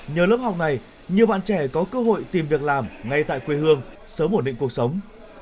nhờ lớp học này nhiều bạn trẻ có cơ hội tìm việc làm ngay tại quê hương sớm ổn định cuộc sống